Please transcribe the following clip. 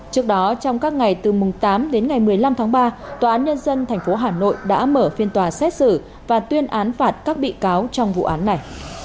trước đó trong các ngày từ mùng tám đến ngày một mươi năm tháng ba tòa án nhân dân tp hà nội đã mở phiên tòa xét xử và tuyên án phạt các bị cáo trong vụ án này